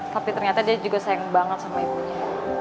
tapi ternyata dia juga sayang banget sama ibunya